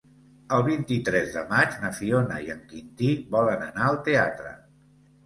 El vint-i-tres de maig na Fiona i en Quintí volen anar al teatre.